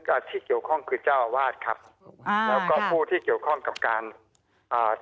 อ่าที่เกี่ยวข้องคือเจ้าอาวาสครับอ่าแล้วก็ผู้ที่เกี่ยวข้องกับการอ่า